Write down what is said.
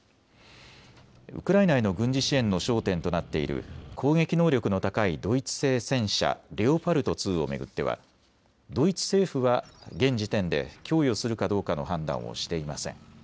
ウクライナへの軍事支援の焦点となっている攻撃能力の高いドイツ製戦車、レオパルト２を巡ってはドイツ政府は現時点で供与するかどうかの判断をしていません。